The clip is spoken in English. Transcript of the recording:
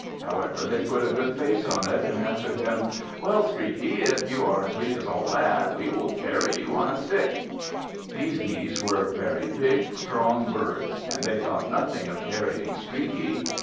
However, they put a good face on it, and answered him: "Well, Streaky, if you are as weak as all that, we will carry you on a stick." These Geese were very big, strong birds, and they thought nothing of carrying Streaky.